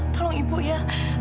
tolong ibu ya